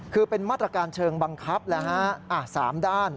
คือเป็นมาตรการเชิงบังคับ๓ด้าน